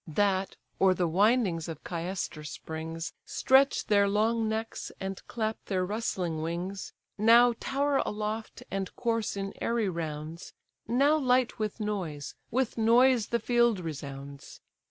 That, o'er the windings of Cayster's springs, Stretch their long necks, and clap their rustling wings, Now tower aloft, and course in airy rounds, Now light with noise; with noise the field resounds.